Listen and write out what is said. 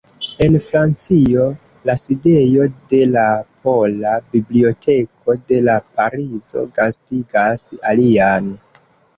En Francio, la sidejo de la Pola Biblioteko de Parizo gastigas alian.